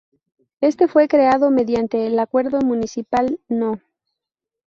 Éste fue creado mediante el Acuerdo Municipal No.